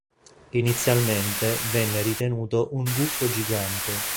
Inizialmente venne ritenuto un gufo gigante.